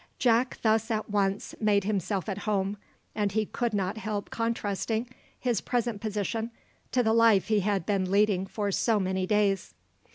Jack thus at once made himself at home, and he could not help contrasting his present position to the life he had been leading for so many days.